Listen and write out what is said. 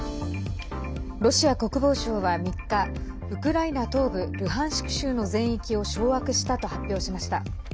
ロシア国防省は３日ウクライナ東部ルハンシク州の全域を掌握したと発表しました。